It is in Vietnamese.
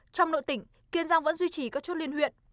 trong nội tỉnh kiên giang vẫn duy trì các chốt liên huyện